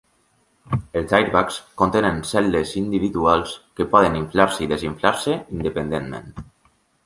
Els airbags contenen cel·les individuals que poden inflar-se i desinflar-se independentment.